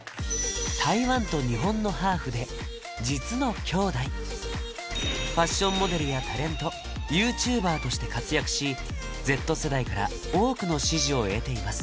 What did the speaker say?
台湾と日本のハーフで実の姉弟ファッションモデルやタレントＹｏｕＴｕｂｅｒとして活躍しＺ世代から多くの支持を得ています